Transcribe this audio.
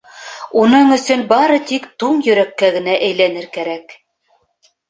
Уның өсөн бары тик туң йөрәккә генә әйләнер кәрәк.